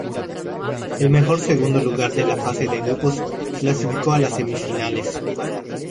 El mejor segundo lugar de la fase de grupos clasificó a las semi-finales.